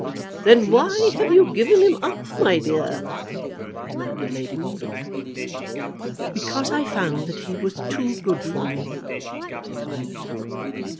"Then why have you given him up, my dear?" demanded Lady Baldock. "Because I found that he was too good for me," said Violet.